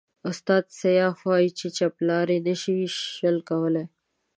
استاد سياف وایي چاپلاري نشي شل کولای.